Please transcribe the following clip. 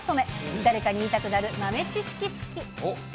誰かに言いたくなるまめ知識つき。